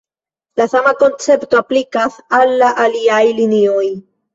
La sama koncepto aplikas al la aliaj linioj.